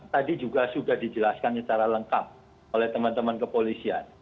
tadi juga sudah dijelaskan secara lengkap oleh teman teman kepolisian